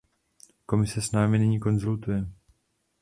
Komise s námi nyní konzultuje.